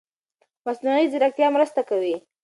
مصنوعي ځيرکتیا مرسته کوي.